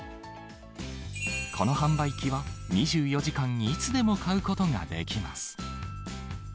この販売機は、２４時間いつでも買うことができます。